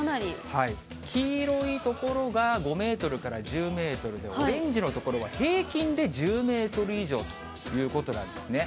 はい、黄色い所が５メートルから１０メートルで、オレンジの所は平均で１０メートル以上ということなんですね。